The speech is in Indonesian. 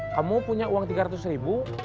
kamu punya uang tiga ratus ribu